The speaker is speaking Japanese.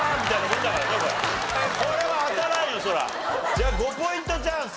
じゃあ５ポイントチャンス。